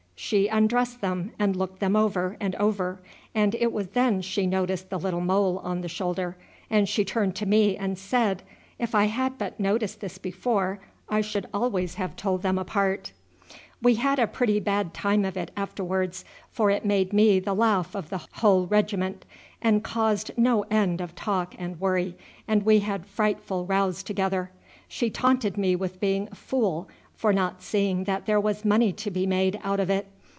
She undressed them, and looked them over and over, and it was then she noticed the little mole on the shoulder, and she turned to me and said, 'If I had but noticed this before I should always have told them apart.' "We had a pretty bad time of it afterwards, for it made me the laugh of the whole regiment, and caused no end of talk and worry, and we had frightful rows together. She taunted me with being a fool for not seeing that there was money to be made out of it.